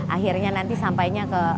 akhirnya nanti sampainya ke pihak lain